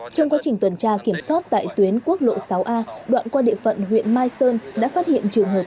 trong quá trình tuần tra kiểm soát tại tuyến quốc lộ sáu a đoạn qua địa phận huyện mai sơn đã phát hiện trường hợp